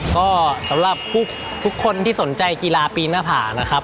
ก็สำหรับทุกคนที่สนใจกีฬาปีนหน้าผานะครับ